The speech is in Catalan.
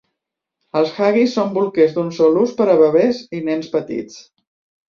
Els Huggies són bolquers d'un sol ús per a bebès i nens petits.